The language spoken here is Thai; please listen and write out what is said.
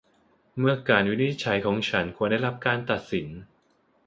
เมื่อการวินิจฉัยของฉันควรได้รับการตัดสิน